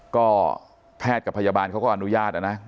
ก็แพทย์กับพยาบาลเขาก็อนุญาตนะ